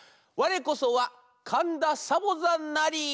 「われこそはかんだサボざんなり」。